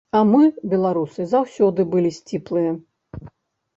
А мы, беларусы, заўсёды былі сціплыя.